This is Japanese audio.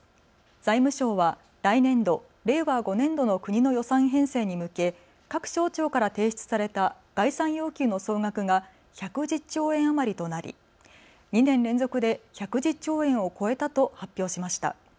財務省は来年度、令和５年度の国の予算編成に向け各省庁から提出された概算要求の総額が１１０兆円余りとなり２年連続で１１０兆円を超えたと発表しました。